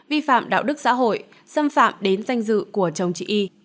vi phạm đạo đức xã hội xâm phạm đến danh dự của chồng chị y